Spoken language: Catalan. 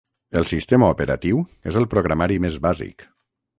El sistema operatiu és el programari més bàsic.